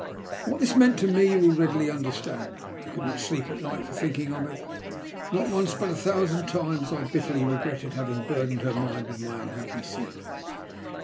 'What this meant to me you will readily understand. I could not sleep at night for thinking of it, and not once but a thousand times I bitterly regretted having burdened her mind with my unhappy secret.